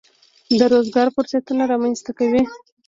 د روزګار فرصتونه رامنځته کوي.